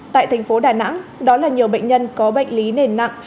tại thành phố đà nẵng đó là nhiều bệnh nhân có bệnh lý nền nặng